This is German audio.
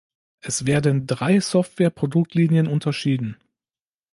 Es werden drei Software-Produktlinien unterschieden.